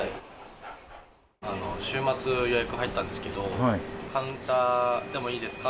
週末、予約入ったんですけど、カウンターでもいいですか？